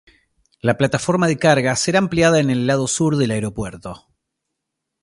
La plataforma de carga será ampliada en el lado sur del aeropuerto.